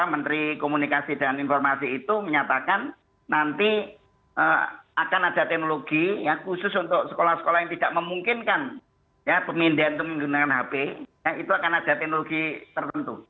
menteri komunikasi dan informasi itu menyatakan nanti akan ada teknologi khusus untuk sekolah sekolah yang tidak memungkinkan pemindahan itu menggunakan hp itu akan ada teknologi tertentu